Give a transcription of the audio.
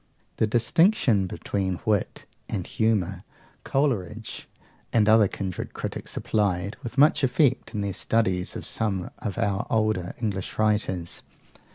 This distinction between wit and humour, Coleridge and other kindred critics applied, with much effect, in their studies of some of our older English writers.